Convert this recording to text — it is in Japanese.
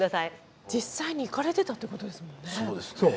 実際に行かれてたっていうことですもんね。